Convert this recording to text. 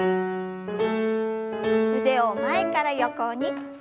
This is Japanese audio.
腕を前から横に。